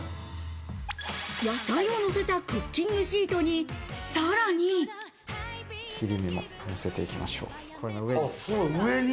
野菜をのせたクッキングシー切り身ものせていきましょう。